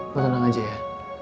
lo tenang aja ya